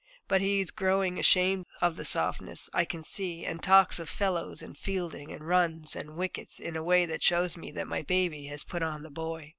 But he is growing ashamed of the softness, I can see, and talks of 'fellows,' and 'fielding,' and 'runs,' and 'wickets' in a way that shows me that my baby has put on the boy.